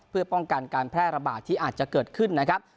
เพื่อป้องกันการแพร่ระบาดที่อาจจะเกิดขึ้นนะครับ